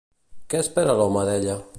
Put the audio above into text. Què espera l'home d'ella?